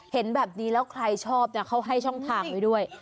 เห็นแบบนี้แล้วใครชอบนะเขาให้ช่องทางไว้ด้วย